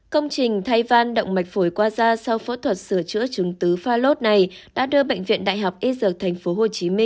công trình thay văn động mạch phổi qua da sau phẫu thuật sửa chữa trứng tứ pha lốt này đã đưa bệnh viện đại học ít dược tp hcm